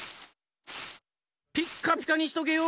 ピッカピカにしとけよ！